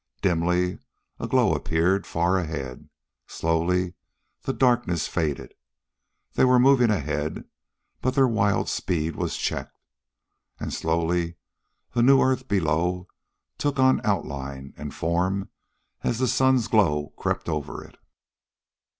Dimly a glow appeared far ahead; slowly the darkness faded. They were moving ahead, but their wild speed was checked. And slowly the new earth below took on outline and form as the sun's glow crept over it.